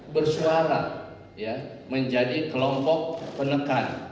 bersuara menjadi kelompok penekanan